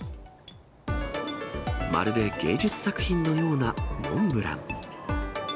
まるで芸術作品のようなモンブラン。